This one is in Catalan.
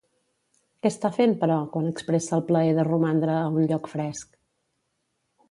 Què està fent, però, quan expressa el plaer de romandre a un lloc fresc?